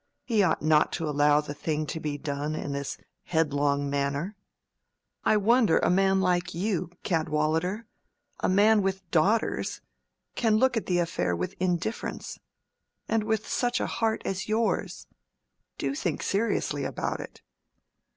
He ought not to allow the thing to be done in this headlong manner. I wonder a man like you, Cadwallader—a man with daughters, can look at the affair with indifference: and with such a heart as yours! Do think seriously about it."